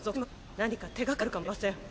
何か手がかりがあるかもしれません。